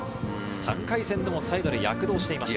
３回戦でもサイドで躍動していました。